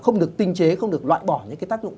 không được tinh chế không được loại bỏ những cái tác dụng